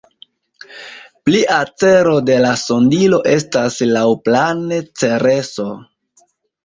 Plia celo de la sondilo estas laŭplane Cereso.